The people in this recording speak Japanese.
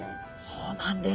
そうなんです。